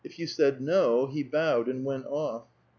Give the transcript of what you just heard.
you said '' No," he bowed and went off.